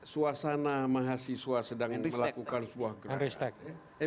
suasana mahasiswa sedang melakukan sebuah gerakan